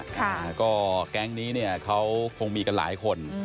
อ่าก็แก๊งนี้เนี่ยเขาคงมีกันหลายคน